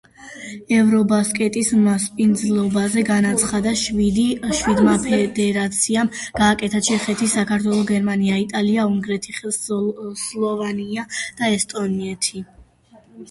ევრობასკეტის მასპინძლობაზე განაცხადი შვიდმა ფედერაციამ გააკეთა: ჩეხეთი, საქართველო, გერმანია, იტალია, უნგრეთი, სლოვენია და ესტონეთი.